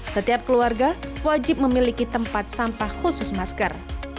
setiap keluarga wajib memiliki tempat sampah khusus masker